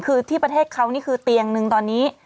คือที่ประเทศเขานี่คือเตียงหนึ่งตอนนี้